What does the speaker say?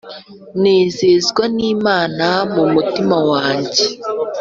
Nezezwa nimana mumutima wanjye